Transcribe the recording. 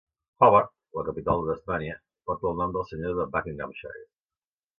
Hobart, la capital de Tasmània, porta el nom del senyor de Buckinghamshire.